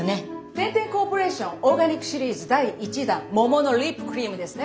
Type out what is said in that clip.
天・天コーポレーションオーガニックシリーズ第１弾「もも」のリップクリームですね。